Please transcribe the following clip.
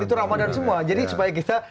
itu ramadan semua jadi supaya kita